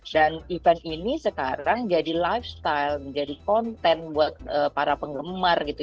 dan event ini sekarang jadi lifestyle jadi konten buat para penggemar gitu